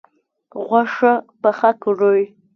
غوښه پخه کړئ